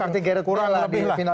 jadi nanti gara gara kurang lebih lah